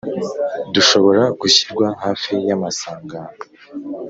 dushobora gushyirwa hafi y'amasangano.